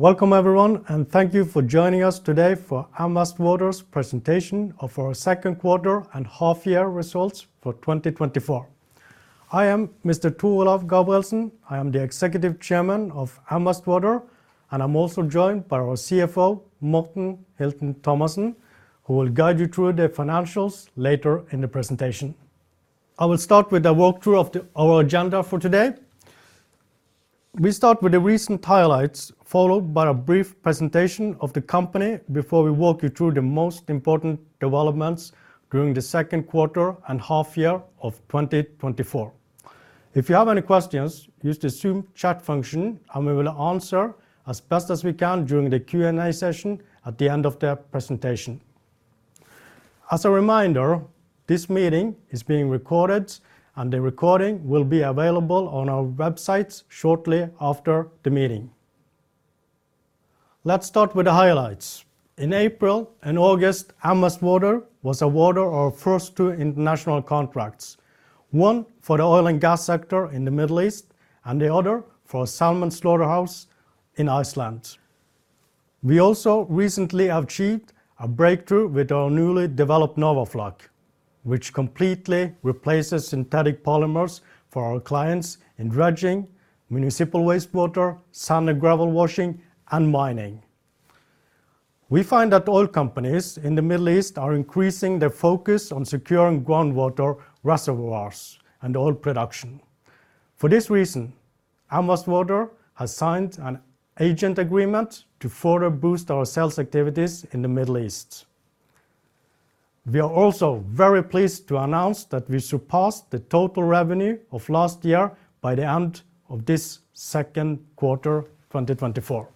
Welcome everyone, and thank you for joining us today for M Vest Water's presentation of our second quarter and half-year results for 2024. I am Mr. Tor Olav Gabrielsen. I am the Executive Chairman of M Vest Water, and I'm also joined by our CFO, Morten Hilton Thomassen, who will guide you through the financials later in the presentation. I will start with a walkthrough of our agenda for today. We start with the recent highlights, followed by a brief presentation of the company, before we walk you through the most important developments during the second quarter and half year of twenty twenty-four. If you have any questions, use the Zoom chat function, and we will answer as best as we can during the Q&A session at the end of the presentation. As a reminder, this meeting is being recorded, and the recording will be available on our website shortly after the meeting. Let's start with the highlights. In April and August, M Vest Water was awarded our first two international contracts, one for the oil and gas sector in the Middle East and the other for a salmon slaughterhouse in Iceland. We also recently achieved a breakthrough with our newly developed Norwafloc, which completely replaces synthetic polymers for our clients in dredging, municipal wastewater, sand and gravel washing, and mining. We find that oil companies in the Middle East are increasing their focus on securing groundwater reservoirs and oil production. For this reason, M Vest Water has signed an agent agreement to further boost our sales activities in the Middle East. We are also very pleased to announce that we surpassed the total revenue of last year by the end of this second quarter, 2024.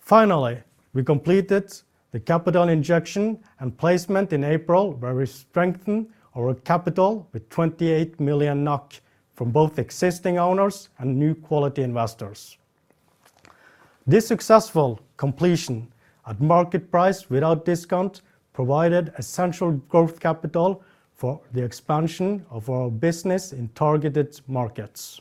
Finally, we completed the capital injection and placement in April, where we strengthened our capital with 28 million NOK from both existing owners and new quality investors. This successful completion at market price, without discount, provided essential growth capital for the expansion of our business in targeted markets.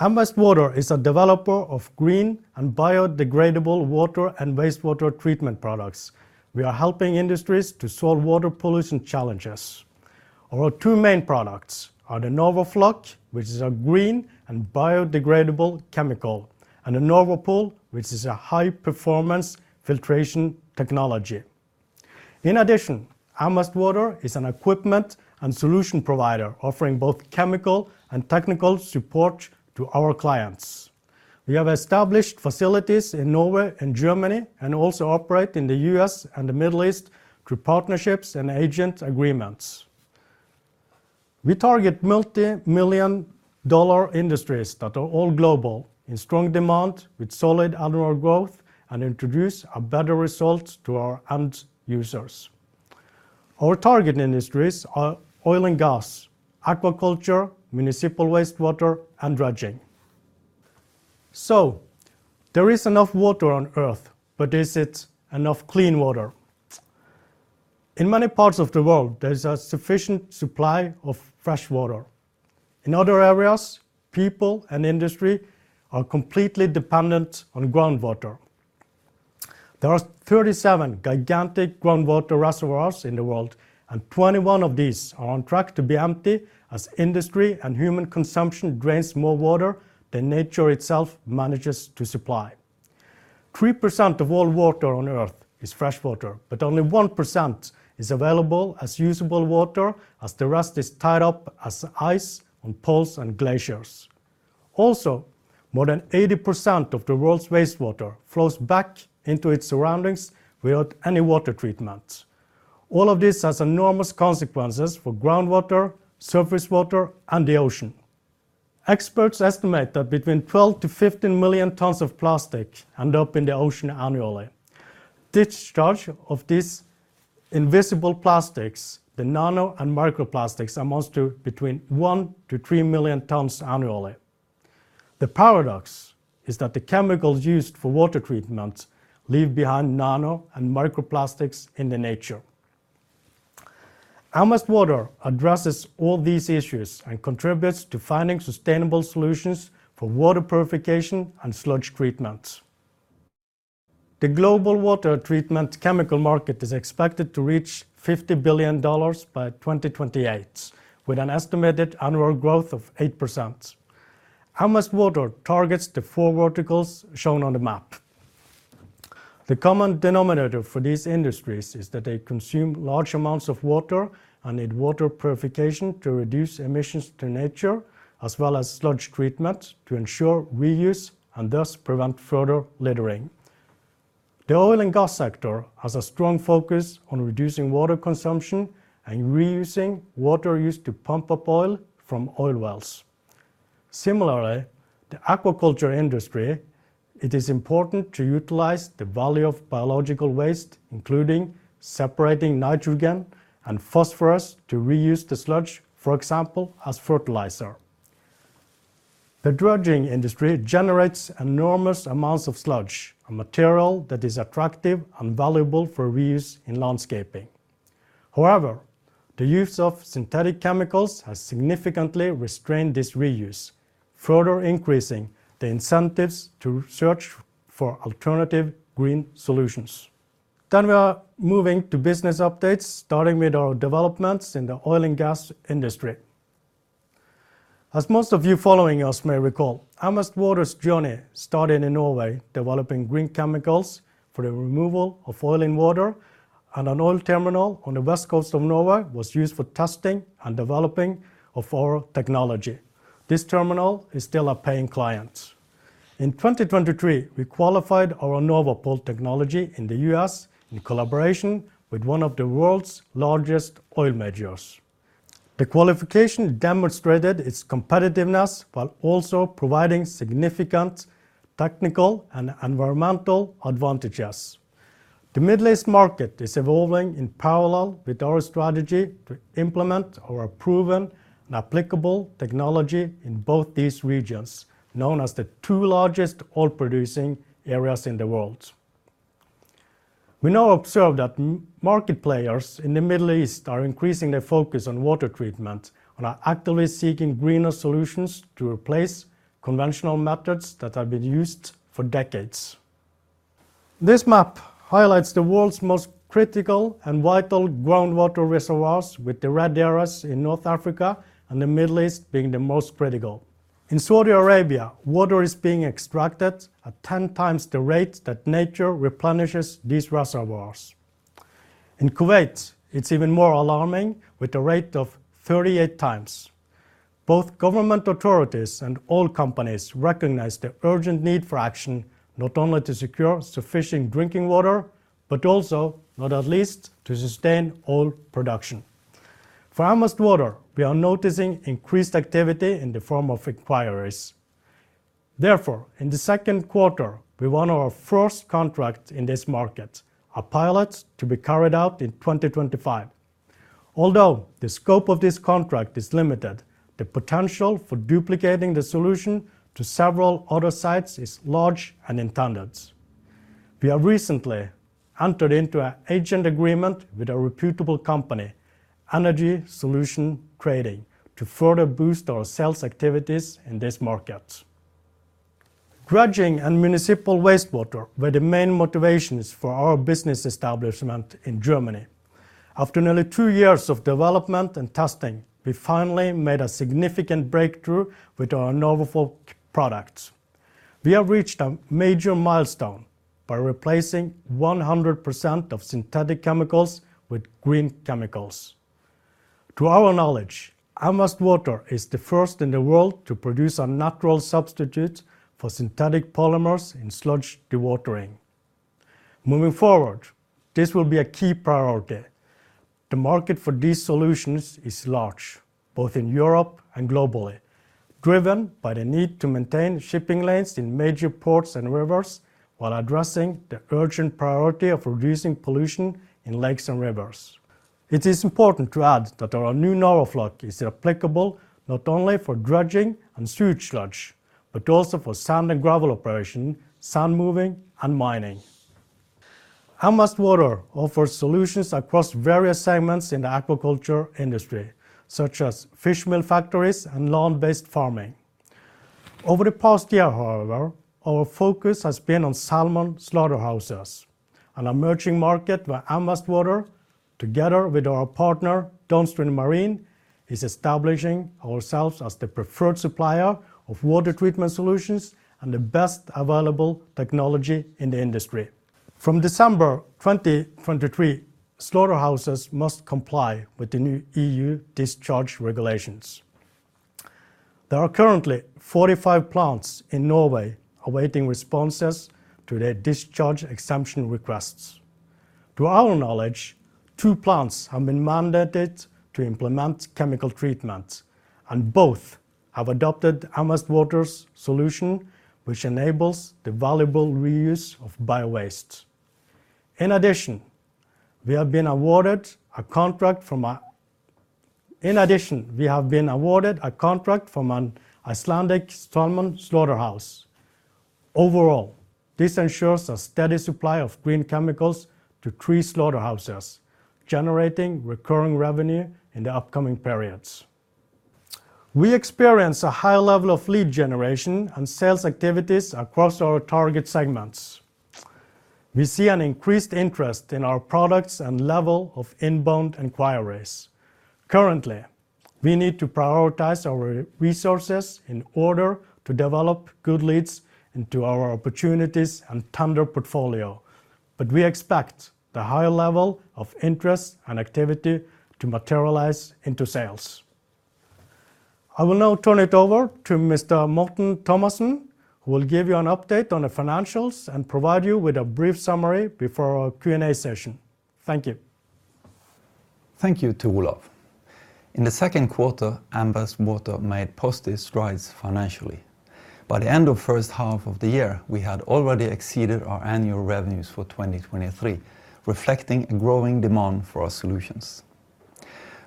M Vest Water is a developer of green and biodegradable water and wastewater treatment products. We are helping industries to solve water pollution challenges. Our two main products are the Norwafloc, which is a green and biodegradable chemical, and the Norwapol, which is a high-performance filtration technology. In addition, M Vest Water is an equipment and solution provider, offering both chemical and technical support to our clients. We have established facilities in Norway and Germany, and also operate in the U.S. and the Middle East through partnerships and agent agreements. We target multi-million-dollar industries that are all global, in strong demand, with solid annual growth, and introduce a better result to our end users. Our target industries are oil and gas, aquaculture, municipal wastewater, and dredging. So there is enough water on Earth, but is it enough clean water? In many parts of the world, there is a sufficient supply of fresh water. In other areas, people and industry are completely dependent on groundwater. There are 37 gigantic groundwater reservoirs in the world, and 21 of these are on track to be empty as industry and human consumption drains more water than nature itself manages to supply. 3% of all water on Earth is fresh water, but only 1% is available as usable water, as the rest is tied up as ice on Poles and glaciers. Also, more than 80% of the world's wastewater flows back into its surroundings without any water treatment. All of this has enormous consequences for groundwater, surface water, and the ocean. Experts estimate that between 12-15 million tons of plastic end up in the ocean annually. Discharge of these invisible plastics, the nano and microplastics, amounts to between 1-3 million tons annually. The paradox is that the chemicals used for water treatment leave behind nano and microplastics in the nature. M Vest Water addresses all these issues and contributes to finding sustainable solutions for water purification and sludge treatment. The global water treatment chemical market is expected to reach $50 billion by 2028, with an estimated annual growth of 8%. M Vest Water targets the four verticals shown on the map. The common denominator for these industries is that they consume large amounts of water and need water purification to reduce emissions to nature, as well as sludge treatment to ensure reuse and thus prevent further littering. The oil and gas sector has a strong focus on reducing water consumption and reusing water used to pump up oil from oil wells. Similarly, the aquaculture industry, it is important to utilize the value of biological waste, including separating nitrogen and phosphorus, to reuse the sludge, for example, as fertilizer. The dredging industry generates enormous amounts of sludge, a material that is attractive and valuable for reuse in landscaping. However, the use of synthetic chemicals has significantly restrained this reuse, further increasing the incentives to search for alternative green solutions. Then we are moving to business updates, starting with our developments in the oil and gas industry. As most of you following us may recall, M Vest Water's journey started in Norway, developing green chemicals for the removal of oil and water, and an oil terminal on the west coast of Norway was used for testing and developing of our technology. This terminal is still a paying client. In 2023, we qualified our Norwapol technology in the U.S. in collaboration with one of the world's largest oil majors. The qualification demonstrated its competitiveness, while also providing significant technical and environmental advantages. The Middle East market is evolving in parallel with our strategy to implement our proven and applicable technology in both these regions, known as the two largest oil-producing areas in the world. We now observe that market players in the Middle East are increasing their focus on water treatment and are actively seeking greener solutions to replace conventional methods that have been used for decades. This map highlights the world's most critical and vital groundwater reservoirs, with the red areas in North Africa and the Middle East being the most critical. In Saudi Arabia, water is being extracted at ten times the rate that nature replenishes these reservoirs. In Kuwait, it's even more alarming, with a rate of 38 times. Both government authorities and oil companies recognize the urgent need for action, not only to secure sufficient drinking water, but also, not at least, to sustain oil production. For M Vest Water, we are noticing increased activity in the form of inquiries. Therefore, in the second quarter, we won our first contract in this market, a pilot to be carried out in 2025. Although the scope of this contract is limited, the potential for duplicating the solution to several other sites is large and intended. We have recently entered into an agent agreement with a reputable company, Energy Solutions Trading, to further boost our sales activities in this market. Dredging and municipal wastewater were the main motivations for our business establishment in Germany. After nearly two years of development and testing, we finally made a significant breakthrough with our Norwafloc products. We have reached a major milestone by replacing 100% of synthetic chemicals with green chemicals. To our knowledge, M Vest Water is the first in the world to produce a natural substitute for synthetic polymers in sludge dewatering. Moving forward, this will be a key priority. The market for these solutions is large, both in Europe and globally, driven by the need to maintain shipping lanes in major ports and rivers, while addressing the urgent priority of reducing pollution in lakes and rivers. It is important to add that our new Norwafloc is applicable not only for dredging and sewage sludge, but also for sand and gravel operation, sand moving, and mining. M Vest Water offers solutions across various segments in the aquaculture industry, such as fish meal factories and land-based farming. Over the past year, however, our focus has been on salmon slaughterhouses, an emerging market where M Vest Water, together with our partner, Downstream Marine, is establishing ourselves as the preferred supplier of water treatment solutions and the best available technology in the industry. From December 2023, slaughterhouses must comply with the new EU discharge regulations. There are currently 45 plants in Norway awaiting responses to their discharge exemption requests. To our knowledge, two plants have been mandated to implement chemical treatment, and both have adopted M Vest Water's solution, which enables the valuable reuse of biowaste. In addition, we have been awarded a contract from an Icelandic salmon slaughterhouse. Overall, this ensures a steady supply of green chemicals to three slaughterhouses, generating recurring revenue in the upcoming periods. We experience a high level of lead generation and sales activities across our target segments. We see an increased interest in our products and level of inbound inquiries. Currently, we need to prioritize our resources in order to develop good leads into our opportunities and tender portfolio, but we expect the high level of interest and activity to materialize into sales. I will now turn it over to Mr. Morten Thomassen, who will give you an update on the financials and provide you with a brief summary before our Q&A session. Thank you. Thank you to Olav. In the second quarter, M Vest Water made positive strides financially. By the end of first half of the year, we had already exceeded our annual revenues for 2023, reflecting a growing demand for our solutions.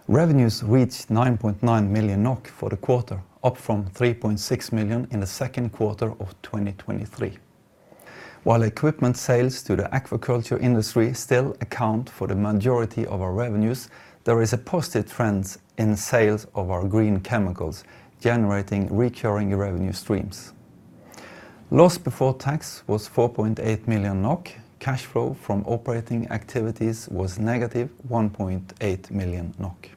Revenues reached 9.9 million NOK for the quarter, up from 3.6 million NOK in the second quarter of 2023. While equipment sales to the aquaculture industry still account for the majority of our revenues, there is a positive trend in sales of our green chemicals, generating recurring revenue streams. Loss before tax was 4.8 million NOK. Cash flow from operating activities was negative 1.8 million NOK.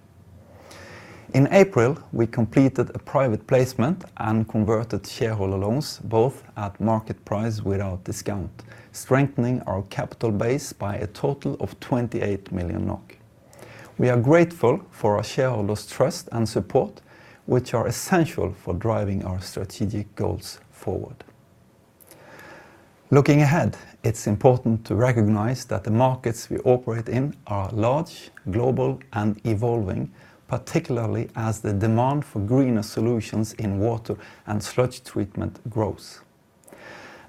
In April, we completed a private placement and converted shareholder loans, both at market price without discount, strengthening our capital base by a total of 28 million NOK. We are grateful for our shareholders' trust and support, which are essential for driving our strategic goals forward. Looking ahead, it's important to recognize that the markets we operate in are large, global, and evolving, particularly as the demand for greener solutions in water and sludge treatment grows.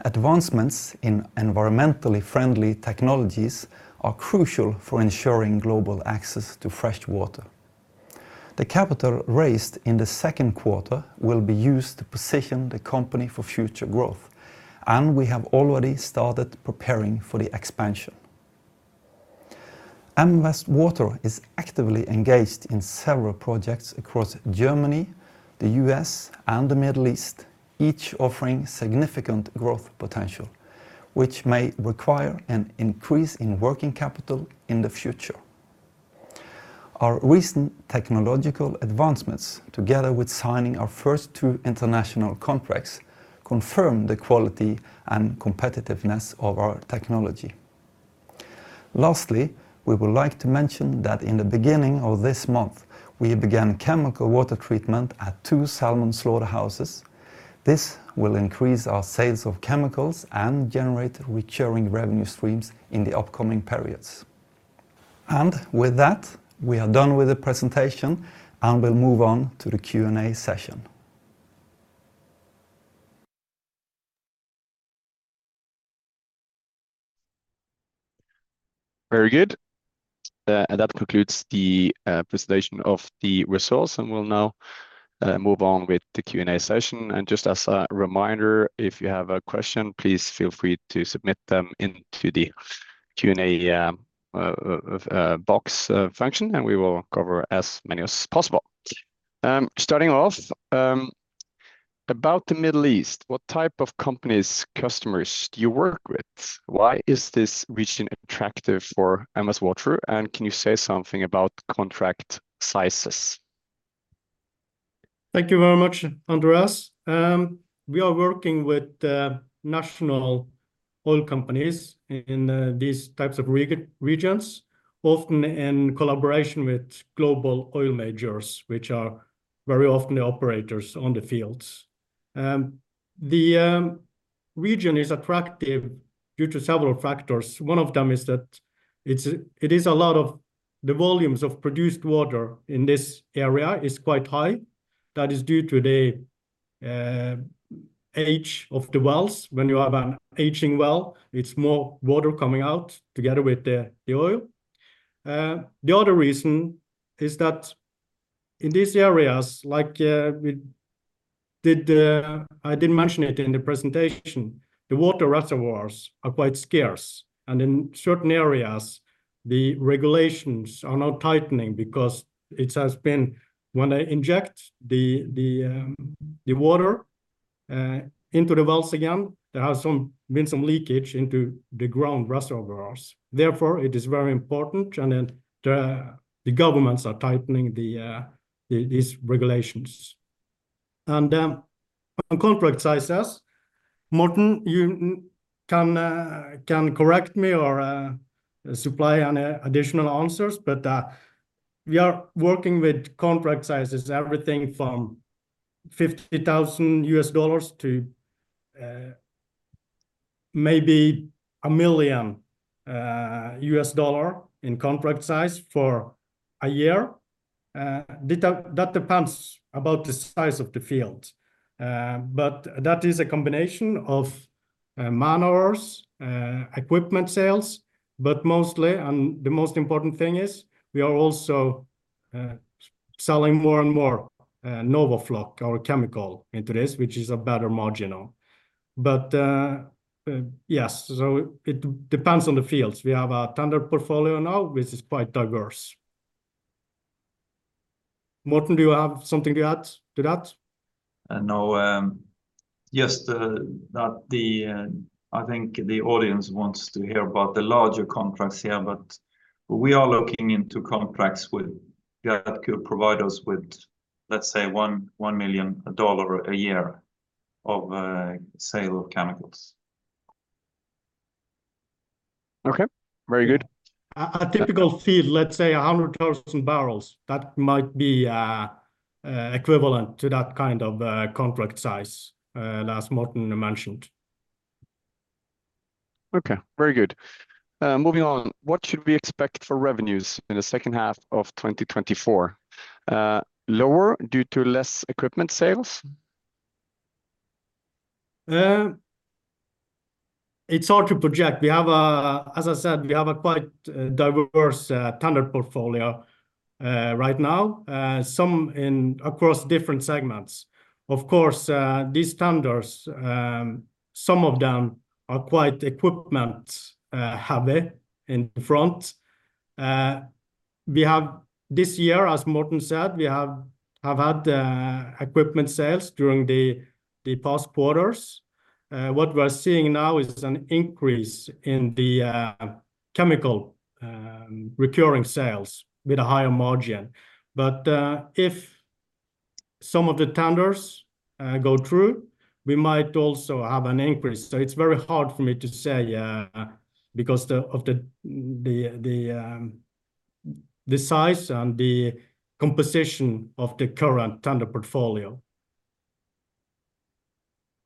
Advancements in environmentally friendly technologies are crucial for ensuring global access to fresh water. The capital raised in the second quarter will be used to position the company for future growth, and we have already started preparing for the expansion. M Vest Water is actively engaged in several projects across Germany, the U.S., and the Middle East, each offering significant growth potential, which may require an increase in working capital in the future. Our recent technological advancements, together with signing our first two international contracts, confirm the quality and competitiveness of our technology. Lastly, we would like to mention that in the beginning of this month, we began chemical water treatment at two salmon slaughterhouses. This will increase our sales of chemicals and generate recurring revenue streams in the upcoming periods. And with that, we are done with the presentation, and we'll move on to the Q&A session. Very good. And that concludes the presentation of the results, and we'll now move on with the Q&A session. And just as a reminder, if you have a question, please feel free to submit them into the Q&A box function, and we will cover as many as possible. Starting off about the Middle East, what type of companies, customers do you work with? Why is this region attractive for M Vest Water, and can you say something about contract sizes? Thank you very much, Andreas. We are working with national oil companies in these types of regions, often in collaboration with global oil majors, which are very often the operators on the fields. The region is attractive due to several factors. One of them is that it's, it is a lot of. The volumes of produced water in this area is quite high. That is due to the age of the wells. When you have an aging well, it's more water coming out together with the oil. The other reason is that in these areas, like, I didn't mention it in the presentation, the groundwater reservoirs are quite scarce, and in certain areas, the regulations are now tightening because it has been when they inject the water into the wells again, there has been some leakage into the groundwater reservoirs. Therefore, it is very important, and then the governments are tightening these regulations. On contract sizes, Morten, you can correct me or supply any additional answers, but we are working with contract sizes, everything from $50,000 to maybe $1 million in contract size for a year. That depends on the size of the field. But that is a combination of man-hours, equipment sales, but mostly, and the most important thing is, we are also selling more and more NorwaFloc, our chemical, into this, which is a better margin on. But yes, so it depends on the fields. We have a tender portfolio now, which is quite diverse. Morten, do you have something to add to that? No, yes, I think the audience wants to hear about the larger contracts here, but we are looking into contracts with- that could provide us with, let's say, $1 million a year of sale of chemicals. Okay, very good. A typical field, let's say 100,000 barrels, that might be equivalent to that kind of contract size, as Morten mentioned. Okay, very good. Moving on. What should we expect for revenues in the second half of 2024? Lower due to less equipment sales? It's hard to project. We have a... As I said, we have a quite diverse tender portfolio. Right now, some in across different segments. Of course, these tenders, some of them are quite equipment heavy in front. We have this year, as Morten said, we have had equipment sales during the past quarters. What we're seeing now is an increase in the chemical recurring sales with a higher margin. But if some of the tenders go through, we might also have an increase. So it's very hard for me to say because of the size and the composition of the current tender portfolio.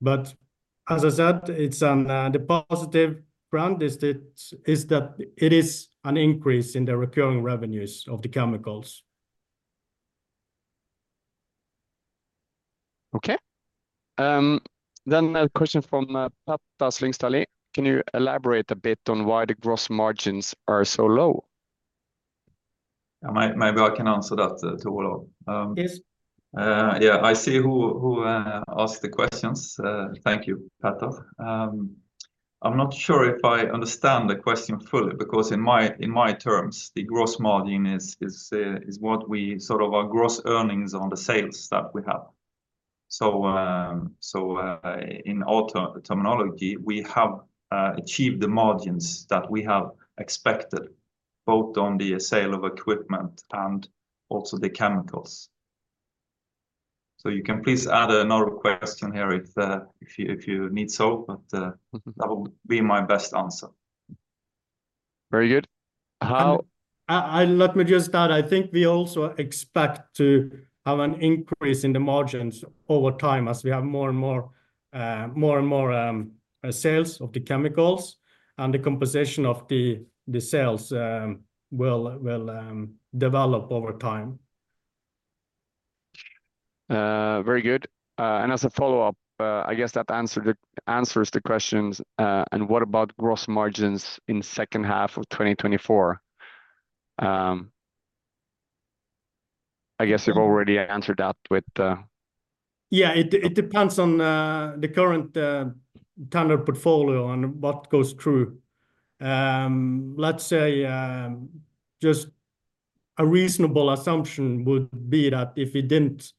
But as I said, it's the positive brand is that it is an increase in the recurring revenues of the chemicals. Okay. Then a question from Pat Daslingstali. "Can you elaborate a bit on why the gross margins are so low? Maybe I can answer that to all of Yes. Yeah, I see who asked the questions. Thank you, Pat. I'm not sure if I understand the question fully, because in my terms, the gross margin is what we sort of our gross earnings on the sales that we have. In our terminology, we have achieved the margins that we have expected, both on the sale of equipment and also the chemicals. You can please add another question here if you need so, but. Mm-hmm... that would be my best answer. Very good. How- Let me just add, I think we also expect to have an increase in the margins over time as we have more and more sales of the chemicals. And the composition of the sales will develop over time. Very good. And as a follow-up, I guess that answered it- answers the questions, and what about gross margins in second half of 2024? I guess you've already answered that with, Yeah, it depends on the current tender portfolio and what goes through. Let's say, just a reasonable assumption would be that if we didn't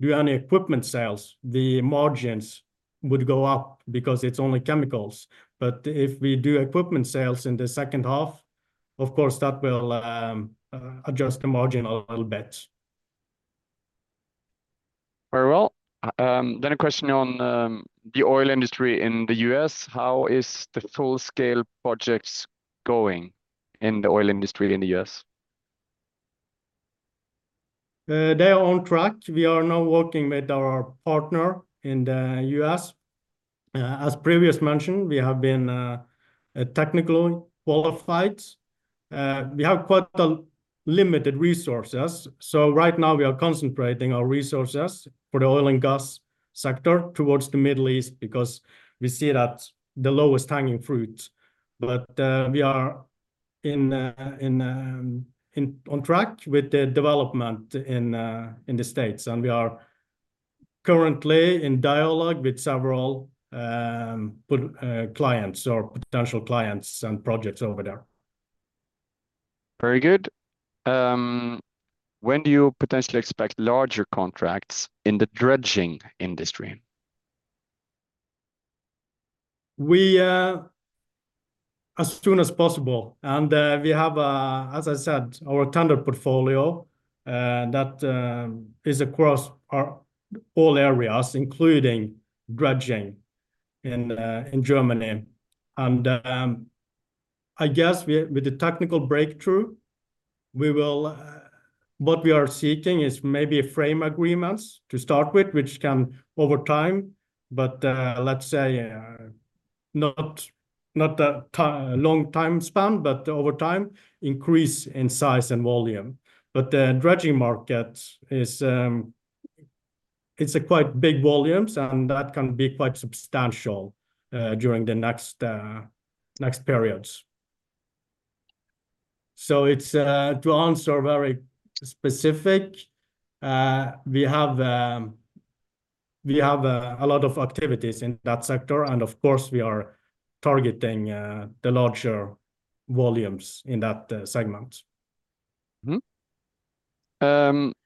do any equipment sales, the margins would go up because it's only chemicals. But if we do equipment sales in the second half, of course, that will adjust the margin a little bit. Very well. Then a question on the oil industry in the U.S. "How is the full-scale projects going in the oil industry in the U.S.? They are on track. We are now working with our partner in the U.S. As previously mentioned, we have been technically qualified. We have quite limited resources, so right now we are concentrating our resources for the oil and gas sector towards the Middle East, because we see that's the lowest hanging fruit. But we are on track with the development in the States, and we are currently in dialogue with several potential clients and projects over there. Very good. "When do you potentially expect larger contracts in the dredging industry? We as soon as possible, and we have, as I said, our tender portfolio that is across our all areas, including dredging in Germany. And I guess with the technical breakthrough, we will. What we are seeking is maybe frame agreements to start with, which can, over time, but let's say, not a long time span, but over time, increase in size and volume. But the dredging market is, it's quite big volumes, and that can be quite substantial during the next periods. So it's to answer very specific, we have a lot of activities in that sector, and of course, we are targeting the larger volumes in that segment.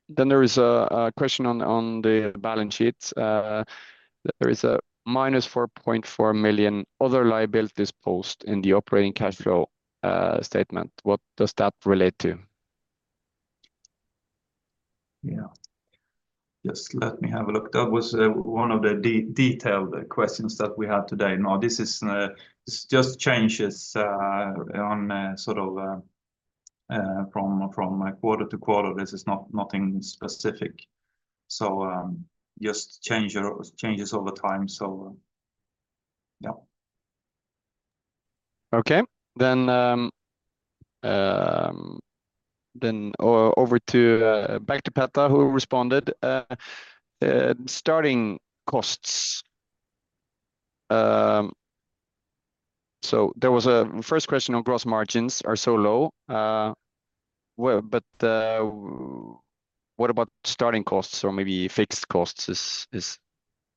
Then there is a question on the balance sheets. "There is a -4.4 million other liabilities post in the operating cash flow statement. What does that relate to? Yeah. Just let me have a look. That was one of the detailed questions that we have today. No, this is this just changes on sort of from like quarter to quarter. This is nothing specific, so just changes over time, so yeah. Okay. Then over to back to Pat, who responded, "Starting costs. So there was a first question on gross margins are so low. Well, but what about starting costs or maybe fixed costs is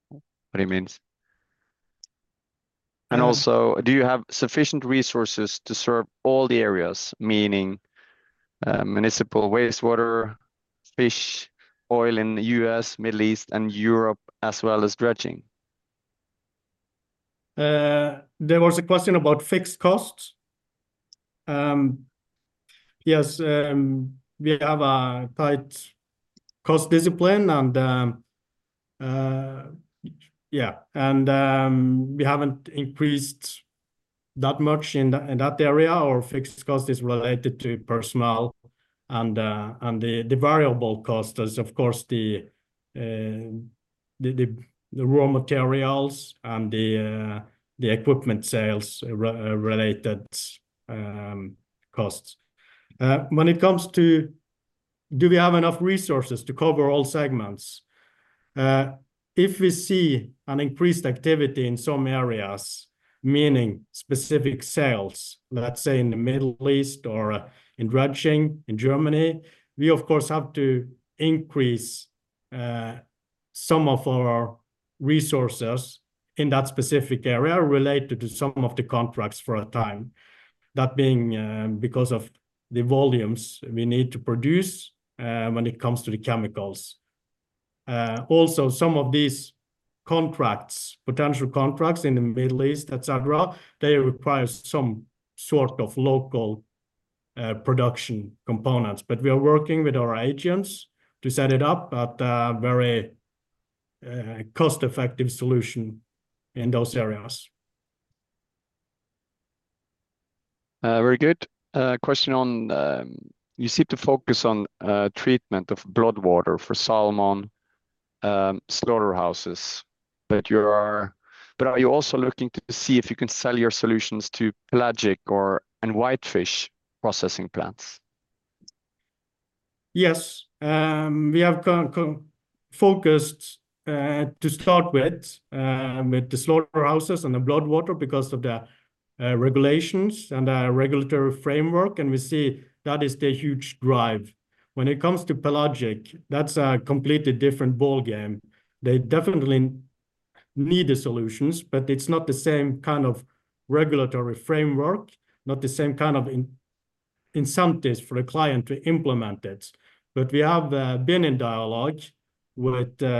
what he means? Mm-hmm. Also, do you have sufficient resources to serve all the areas, meaning municipal wastewater, fish, oil in the U.S., Middle East, and Europe, as well as dredging? There was a question about fixed costs. Yes, we have a tight cost discipline and, yeah, and we haven't increased that much in that, in that area. Our fixed cost is related to personnel and the variable cost is, of course, the raw materials and the equipment sales related costs. When it comes to do we have enough resources to cover all segments? If we see an increased activity in some areas, meaning specific sales, let's say in the Middle East or in dredging in Germany, we, of course, have to increase some of our resources in that specific area related to some of the contracts for a time. That being because of the volumes we need to produce when it comes to the chemicals. Also some of these contracts, potential contracts in the Middle East, et cetera, they require some sort of local production components. But we are working with our agents to set it up at a very cost-effective solution in those areas. Very good. Question on, you seem to focus on treatment of blood water for salmon slaughterhouses, but are you also looking to see if you can sell your solutions to pelagic or and whitefish processing plants? Yes. We have focused, to start with, with the slaughterhouses and the blood water because of the regulations and the regulatory framework, and we see that is the huge drive. When it comes to pelagic, that's a completely different ballgame. They definitely need the solutions, but it's not the same kind of regulatory framework, not the same kind of incentives for the client to implement it. But we have been in dialogue with players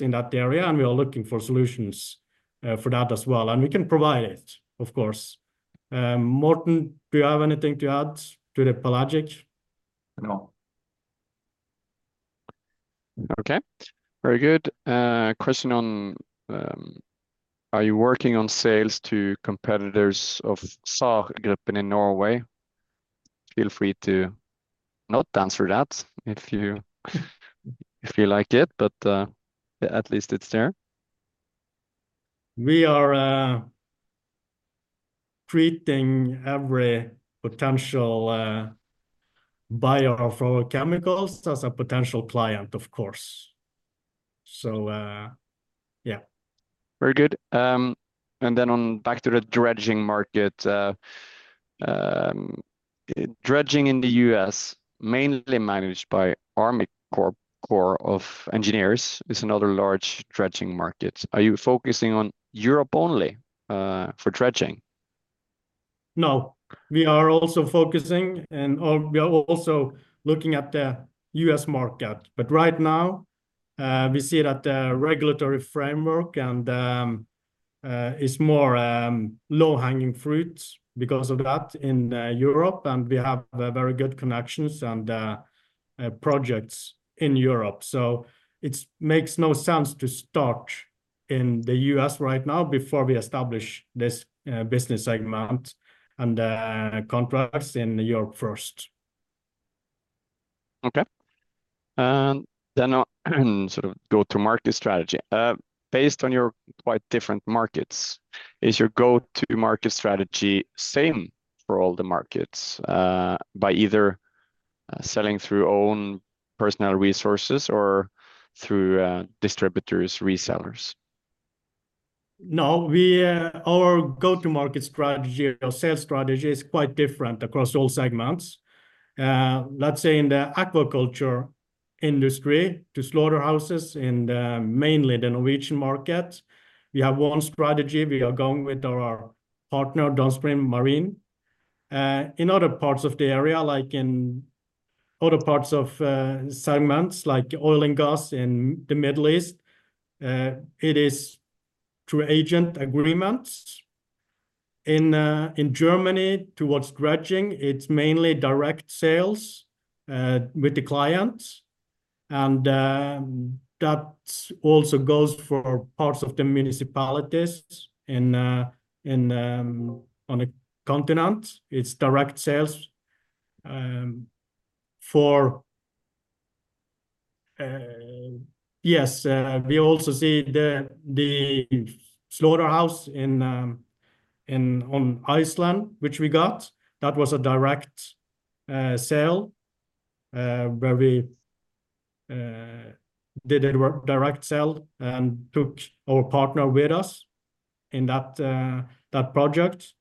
in that area, and we are looking for solutions for that as well, and we can provide it, of course. Morten, do you have anything to add to the pelagic? No. Okay. Very good. Question on, are you working on sales to competitors of SAR Gruppen in Norway? Feel free to not answer that if you like it, but, at least it's there. We are treating every potential buyer of our chemicals as a potential client, of course. So, yeah. Very good. And then on back to the dredging market. Dredging in the U.S., mainly managed by U.S. Army Corps of Engineers, is another large dredging market. Are you focusing on Europe only, for dredging? No. We are also looking at the U.S. market, but right now, we see that the regulatory framework and it's more low-hanging fruit because of that in Europe, and we have very good connections and projects in Europe, so it makes no sense to start in the U.S. right now before we establish this business segment and contracts in Europe first. Okay. And then, sort of go-to-market strategy. Based on your quite different markets, is your go-to-market strategy same for all the markets, by either, selling through own personal resources or through, distributors, resellers? No, we... Our go-to-market strategy or sales strategy is quite different across all segments. Let's say in the aquaculture industry, to slaughterhouses in mainly the Norwegian market, we have one strategy. We are going with our partner, Downstream Marine. In other parts of the area, like in other parts of segments like oil and gas in the Middle East, it is through agent agreements. In Germany, towards dredging, it's mainly direct sales with the clients, and that also goes for parts of the municipalities in on the continent. It's direct sales for... Yes, we also see the slaughterhouse in on Iceland, which we got. That was a direct sale where we did a direct sale and took our partner with us in that project.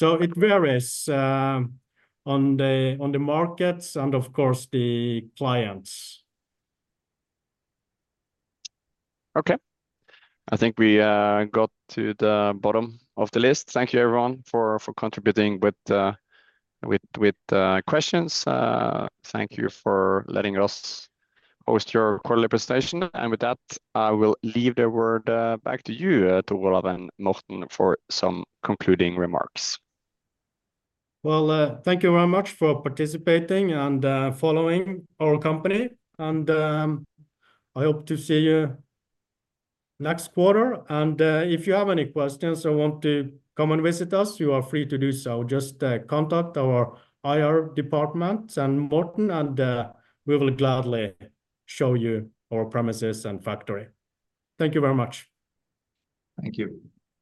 It varies on the markets and, of course, the clients. Okay. I think we got to the bottom of the list. Thank you, everyone, for contributing with questions. Thank you for letting us host your quarterly presentation. And with that, I will leave the word back to you, Tor Olav and Morten, for some concluding remarks. Thank you very much for participating and following our company. I hope to see you next quarter, and if you have any questions or want to come and visit us, you are free to do so. Just contact our IR department and Morten, and we will gladly show you our premises and factory. Thank you very much. Thank you.